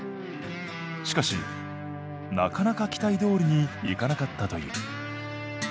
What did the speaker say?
しかしなかなか期待どおりにいかなかったという。